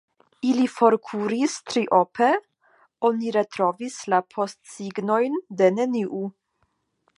Ili forkuris triope: oni retrovis la postsignojn de neniu.